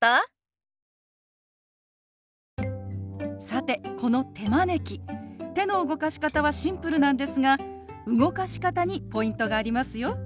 さてこの手招き手の動かし方はシンプルなんですが動かし方にポイントがありますよ。